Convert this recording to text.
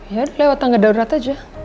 ya lewat tangga darurat aja